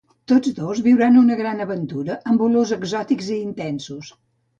Tots dos viuran una gran aventura amb olors exòtics i intensos.